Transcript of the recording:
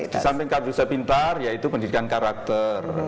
di samping kartu indonesia pintar yaitu pendidikan karakter